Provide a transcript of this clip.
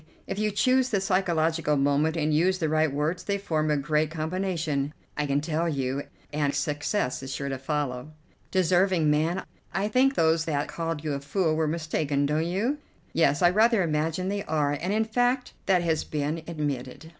If you choose the psychological moment and use the right words they form a great combination, I can tell you, and success is sure to follow." "Deserving man! I think those that called you a fool were mistaken, don't you?" "Yes, I rather imagine they are, and in fact that has been admitted."